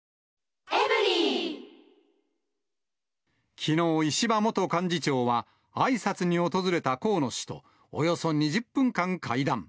きのう、石破元幹事長は、あいさつに訪れた河野氏と、およそ２０分間会談。